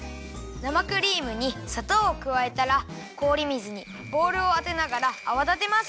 生クリームにさとうをくわえたらこおり水にボウルをあてながらあわだてます。